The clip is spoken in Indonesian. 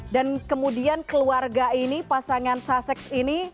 dan kemudian keluarga ini pasangan sussex ini